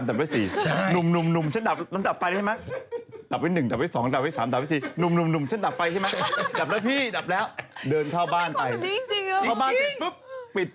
ตอนปลุกไรนั้นจะต้องหาเพื่อนมาอยู่ด้วยอย่างน้อย